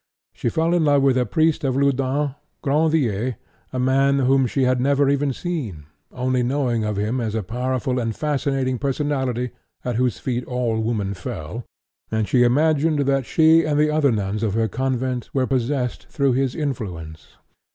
She fell in love with a priest of Loudun, Grandier, a man whom she had never even seen, only knowing of him as a powerful and fascinating personality at whose feet all women fell, and she imagined that she and the other nuns of her convent were possessed through his influence.